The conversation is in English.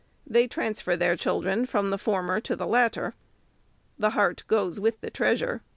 They transfer their children from the former to the latter. The heart goes with the treasure.